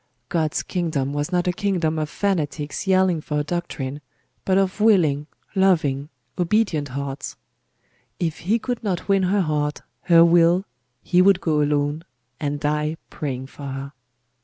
God's kingdom was not a kingdom of fanatics yelling for a doctrine, but of willing, loving, obedient hearts. If he could not win her heart, her will, he would go alone, and die praying for her.